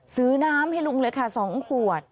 ซื้อน้ำให้ลุงเลยค่ะ๒ขวด